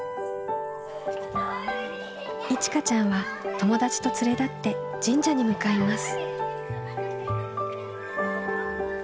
いちかちゃんは友達と連れ立って神社に向かいます。